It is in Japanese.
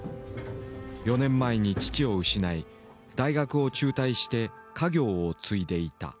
４年前に父を失い大学を中退して家業を継いでいた。